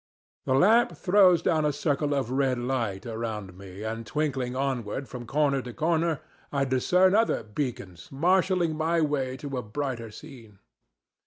The lamp throws down a circle of red light around me, and twinkling onward from corner to corner I discern other beacons, marshalling my way to a brighter scene.